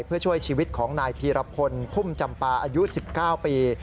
เพื่อช่วยชีวิตของนายพีรพลพุ่มจำปาอายุ๑๙ปี